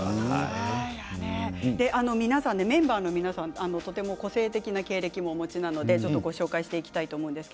メンバーの皆さんとても個性的な経歴をお持ちなのでご紹介していきたいと思います。